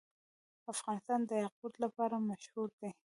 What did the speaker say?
افغانستان د یاقوت لپاره مشهور دی.